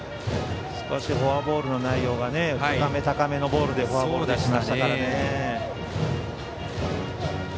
少しフォアボールの内容が高め、高めのボールでフォアボールを出しましたからね。